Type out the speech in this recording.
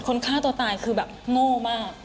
ฆ่าตัวตายคือแบบโง่มาก